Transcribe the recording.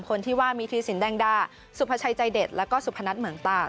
๓คนที่ว่ามีทรีย์สินแด้งด้าสุพชัยใจเดชและสุพชนัดเหมืองตา